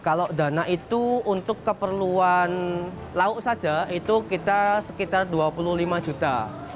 kalau dana itu untuk keperluan lauk saja itu kita sekitar dua puluh lima juta